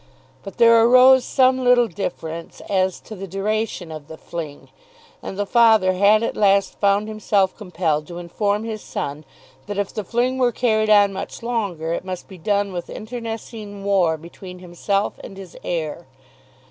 But there arose some little difference as to the duration of the fling, and the father had at last found himself compelled to inform his son that if the fling were carried on much longer it must be done with internecine war between himself and his heir.